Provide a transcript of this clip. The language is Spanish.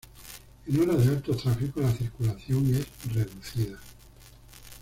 En horas de alto tráfico la circulación es reducida.